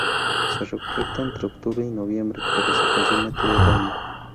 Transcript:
Se recolecta entre octubre y noviembre, pero se consume todo el año.